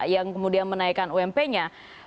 yang kemudian menaikkan ump nya